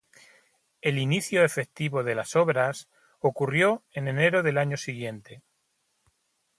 El inicio efectivo de las obras ocurrió en enero del año siguiente.